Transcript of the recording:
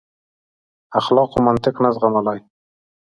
اخلاقو منطق نه زغملای.